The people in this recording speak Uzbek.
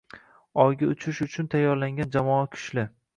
oyga uchish uchun tayyorlangan jamoaga kuchli